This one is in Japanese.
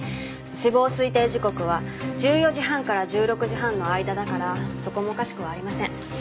死亡推定時刻は１４時半から１６時半の間だからそこもおかしくはありません。